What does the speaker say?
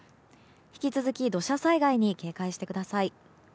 引き続き土砂災害に警戒してください。